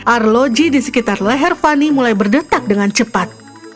arloji di sekitar leher fani mulai berdetak dengan cepat